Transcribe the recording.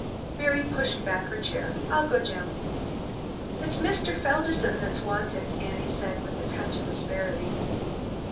Mary pushed back her chair, "I'll go, Jim." "It's Mr. Felderson that's wanted," Annie said with just a touch of asperity.